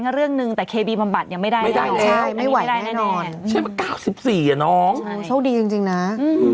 คืออันนี้ใช้ด้วยวิธีอื่นไม่ได้แล้วยาก็ไม่ได้